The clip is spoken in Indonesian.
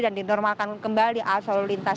dan dinormalkan kembali arus lalu lintas